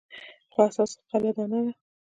خو اساس غله دانه ده.